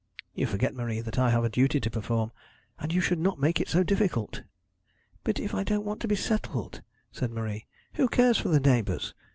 You forget, Marie, that I have a duty to perform, and you should not make it so difficult.' 'But if I don't want to be settled?' said Marie. 'Who cares for the neighbours?